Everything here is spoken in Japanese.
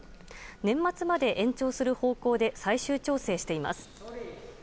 年末まで延長する方向で最終調整しています。